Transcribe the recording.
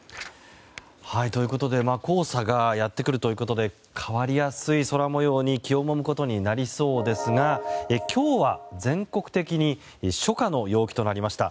黄砂がやってくるということで変わりやすい空模様に気をもむことになりそうですが今日は全国的に初夏の陽気となりました。